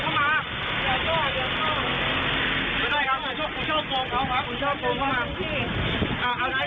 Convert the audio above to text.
นั่นไงนั่นไงนั่นไง